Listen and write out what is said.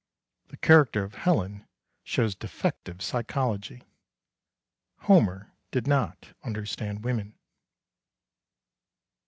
The character of Helen shows defective psychology. Homer did not understand women.